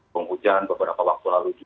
penghujan beberapa waktu lalu